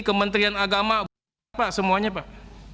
kementerian agama pak semuanya pak